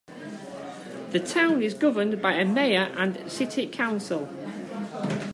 The town is governed by a mayor and city council.